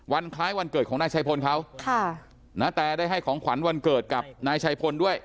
คล้ายวันเกิดของนายชัยพลเขาค่ะณแตได้ให้ของขวัญวันเกิดกับนายชัยพลด้วย